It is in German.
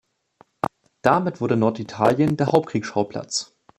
Damit wurde Norditalien der Hauptkriegsschauplatz.